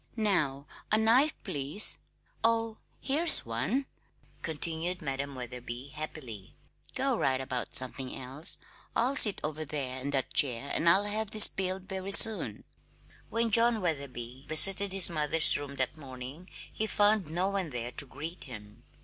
"Now a knife, please, oh, here's one," continued Madam Wetherby happily. "Go right about something else. I'll sit over there in that chair, and I'll have these peeled very soon." When John Wetherby visited his mother's rooms that morning he found no one there to greet him.